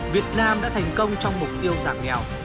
việt nam đã thành công trong mục tiêu giảm nghèo